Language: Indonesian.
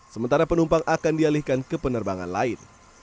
sementara penumpang akan dialihkan ke penerbangan lain